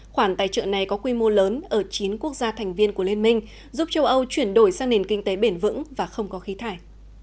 khoản tài trợ này có quy mô lớn ở chín quốc gia thành viên của liên minh giúp châu âu chuyển đổi sang nền kinh tế bền vững và không có khí thải